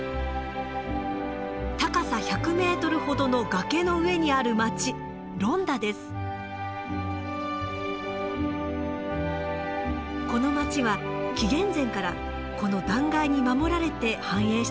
高さ１００ｍほどの崖の上にある町この町は紀元前からこの断崖に守られて繁栄してきました。